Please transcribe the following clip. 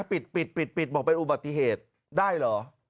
ปิดปิดบอกเป็นอุบัติเหตุได้เหรอ